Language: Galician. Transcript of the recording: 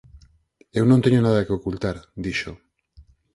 —Eu non teño nada que ocultar —dixo—.